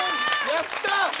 やった！